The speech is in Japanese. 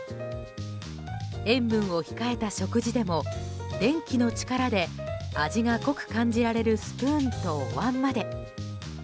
塩分を控えた食事でも電気の力で味が濃く感じられるスプーンとおわんまで。